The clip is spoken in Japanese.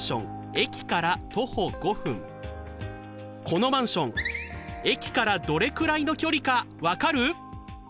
このマンション駅からどれくらいの距離か分かる？